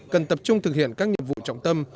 cần tập trung thực hiện các nhiệm vụ trọng tâm